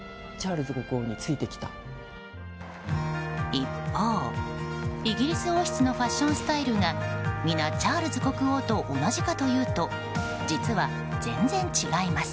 一方、イギリス王室のファッションスタイルが皆、チャールズ国王と同じかというと実は、全然違います。